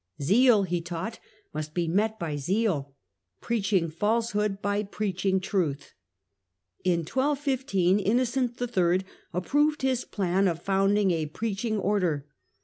" Zeal," he taught, " must be met by zeal, preach ing falsehood by preaching truth." In 1215 Innocent III. approved his plan of founding a preaching Order.